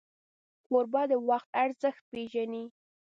کوربه د وخت ارزښت پیژني.